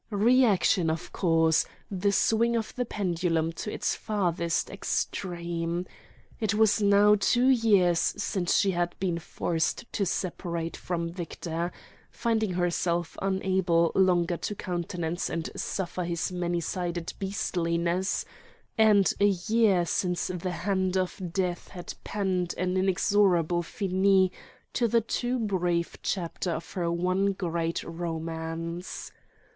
Reaction, of course: the swing of the pendulum to its farthest extreme. It was now two years since she had been forced to separate from Victor, finding herself unable longer to countenance and suffer his many sided beastliness; and a year since the hand of Death had penned an inexorable finis to the too brief chapter of her one great romance.